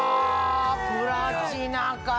プラチナか！